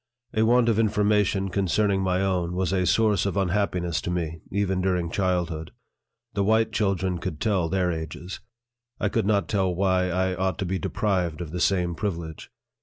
A want of information concerning my own was a source of unhappiness to me even during childhood. The white children could tell their ages. I could not tell why I ought to be deprived of the same privilege.